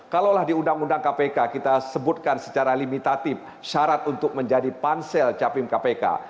kalaulah di undang undang kpk kita sebutkan secara limitatif syarat untuk menjadi pansel capim kpk